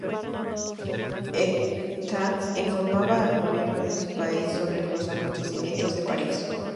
Etta informaba al gobierno de su país sobre los acontecimientos de París.